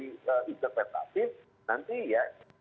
nanti ya ini akan menjadi training training lagi gitu ya